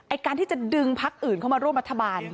การที่จะดึงพักอื่นเข้ามาร่วมรัฐบาล